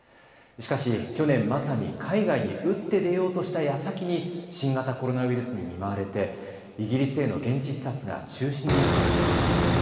しかし去年、まさに海外に打って出ようとしたやさきに新型コロナウイルスに見舞われてイギリスへの現地視察が中止になってしまいました。